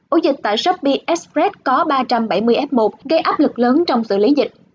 ổ dịch tại shopee express có ba trăm bảy mươi f một gây áp lực lớn trong xử lý dịch